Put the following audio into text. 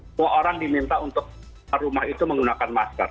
semua orang diminta untuk rumah itu menggunakan masker